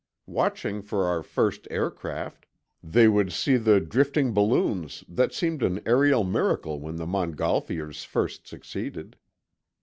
Watching for our first aircraft, they would see the drifting balloons that seemed an aerial miracle when the Montgolfiers first succeeded.